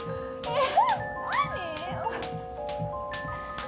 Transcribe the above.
えっ？